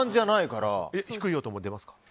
低い音も出ますか？